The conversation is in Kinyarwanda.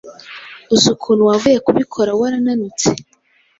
Uzi ukuntu wavuye kubikora warananutse,